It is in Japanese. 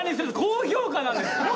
高評価なんですよ。